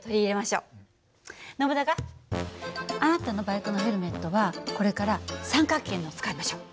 ノブナガあなたのバイクのヘルメットはこれから三角形のを使いましょう。